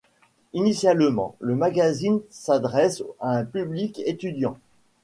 Initialement, le magazine s'adresse à un public étudiant.